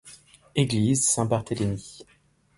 Église Saint-Barthélémy.